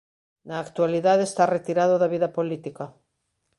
Na actualidade está retirado da vida política.